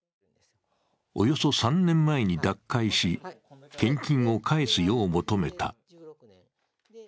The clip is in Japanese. およそ３年前に脱会し献金を返すよう求めた。